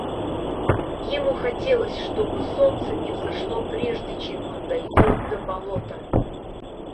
Ему хотелось, чтобы солнце не взошло прежде, чем он дойдет до болота.